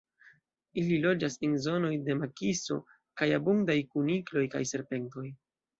Ili loĝas en zonoj de makiso kaj abundaj kunikloj kaj serpentoj.